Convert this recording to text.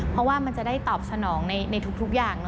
เพราะว่ามันจะได้ตอบสนองในทุกอย่าง